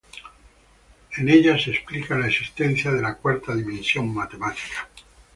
En ella se explica la existencia de la cuarta dimensión matemática.